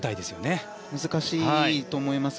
非常に難しいと思います。